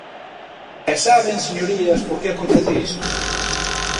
¿E saben, señorías, por que acontece isto?